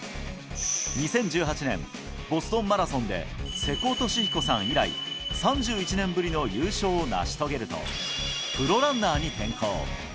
２０１８年、ボストンマラソンで、瀬古利彦さん以来、３１年ぶりの優勝を成し遂げると、プロランナーに転向。